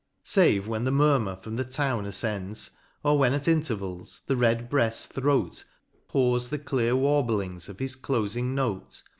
Save when the murmur from the Town afcends ; Or when at intervals, the red bread's throat Pours the clear warblings of his cloflng note.